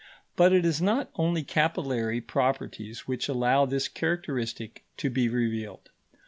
But it is not only capillary properties which allow this characteristic to be revealed.